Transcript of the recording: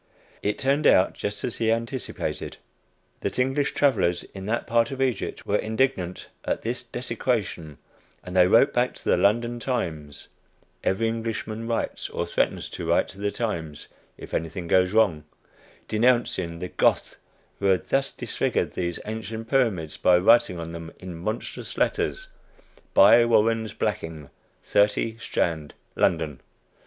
It turned out just as he anticipated, that English travelers in that part of Egypt were indignant at this desecration, and they wrote back to the London Times (every Englishman writes or threatens to "write to the Times," if anything goes wrong,) denouncing the "Goth" who had thus disfigured these ancient pyramids by writing on them in monstrous letters: "Buy Warren's Blacking, 30 Strand, London."